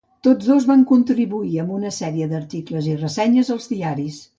Tots dos van contribuir amb una sèrie d'articles i ressenyes als diaris.